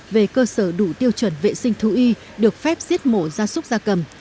về cơ sở đủ tiêu chuẩn vệ sinh thú y được phép giết mổ gia súc gia cầm